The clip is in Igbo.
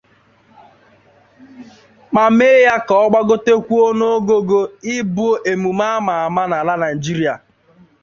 ma mee ya ka ọ gbagotekwuo n'ogoogo ịbụ emume a mà àmá n'ala Nigeria.